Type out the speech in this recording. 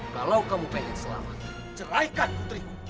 kalau kamu pengen selamat ceraikan putriku